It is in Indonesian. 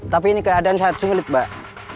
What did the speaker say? tapi ini keadaan sangat sulit mbak